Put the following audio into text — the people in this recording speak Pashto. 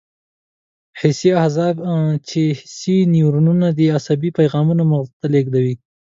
حسي اعصاب چې حسي نیورونونه دي عصبي پیغامونه مغز ته لېږدوي.